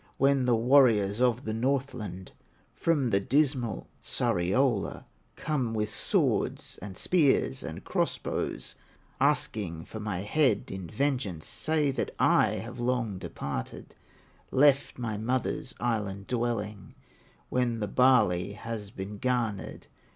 When the warriors of the Northland, From the dismal Sariola, Come with swords, and spears, and cross bows, Asking for my head in vengeance, Say that I have long departed, Left my mother's Island dwelling, When the barley had been garnered."